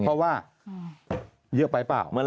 แต่ได้ยินจากคนอื่นแต่ได้ยินจากคนอื่น